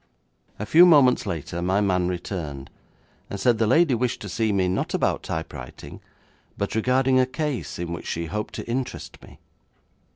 A few moments later my man returned, and said the lady wished to see me, not about typewriting, but regarding a case in which she hoped to interest me.